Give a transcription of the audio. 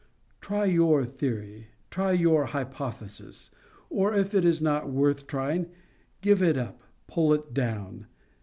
Try your theory; try your hypothesis; or if it is not worth trying, give it up, pull it down.